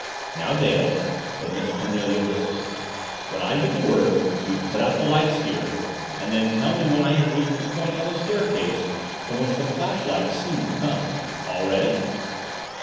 "Now, Dale," said Miss Cornelia briskly, "when I give the word, you put out the lights here and then tell me when I have reached the point on the staircase from which the flashlight seemed to come. All ready?"